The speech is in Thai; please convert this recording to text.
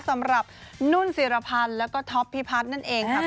สำหรับนุ่นศิรพันธ์แล้วก็ท็อปพิพัฒน์นั่นเองครับ